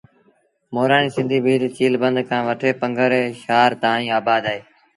مورآڻيٚ سنڌيٚ ڀيٚل چيٚل بند کآݩ وٺي پنگري شآهر تائيٚݩ آبآد اوهيݩ